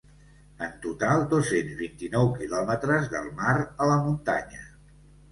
En total dos-cents vint-i-nou kilòmetres del mar a la muntanya.